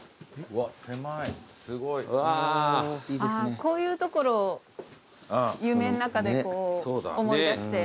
こういう所を夢の中でこう思い出して。